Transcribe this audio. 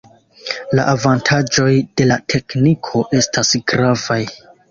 La avantaĝoj de la tekniko estas gravaj.